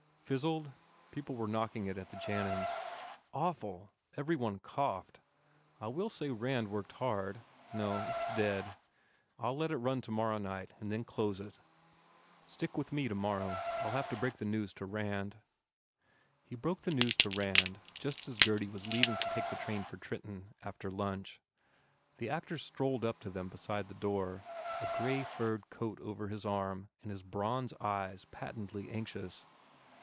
"Fizzled? People were knocking it at the Jannan s." "Awful! Every one coughed. I will say Rand worked hard. No, it s dead. I ll let it run to morrow night and then close it. Stick with me 242 BUBBLE tomorrow. I ll have to break the bad news to Rand." He broke the news to Rand just as Gurdy was leaving to take the train for Trenton, after lunch. The actor strolled up to them beside the door, a grey furred coat over his arm and his bronze eyes patently anxious.